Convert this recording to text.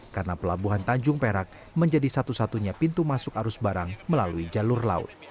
karena pelabuhan tanjung perak menjadi satu satunya pintu masuk arus barang melalui jalur laut